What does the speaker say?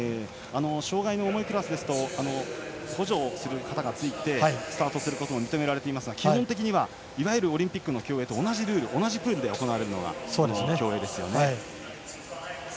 障がいの重いクラスだと補助する方がついてスタートすることが認められていますが基本的にはいわゆるオリンピックの競泳と同じルール、同じプールで行われるのがこの競泳です。